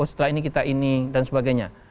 setelah ini kita ini dan sebagainya